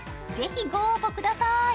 ぜひご応募ください。